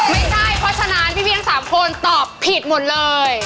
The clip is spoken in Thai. ไม่ใช่เพราะฉะนั้นพี่ทั้ง๓คนตอบผิดหมดเลย